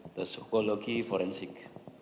atau psikologi forensik